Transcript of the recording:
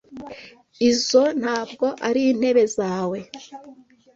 Izo ntabwo arintebe zawe.